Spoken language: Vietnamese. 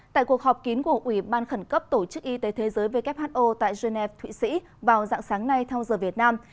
tại cuộc họp kín của ủy ban khẩn cấp tổ chức y tế thế giới who tại geneva thụy sĩ vào dạng sáng nay theo giờ việt nam